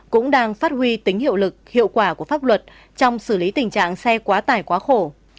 cũng đang phát huy tính hiệu lực hiệu quả của pháp luật trong xử lý tình trạng xe quá tải quá khổ